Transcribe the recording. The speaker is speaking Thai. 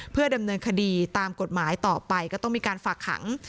เพื่อดำเนินคดีตามกฎหมายต่อไปก็ต้องมีการฝากขัง